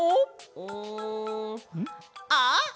うん。あっ！